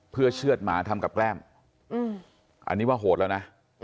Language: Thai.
เพื่อเชื่อดหมาทำกับแกล้มอันนี้ว่าโหดแล้วนะ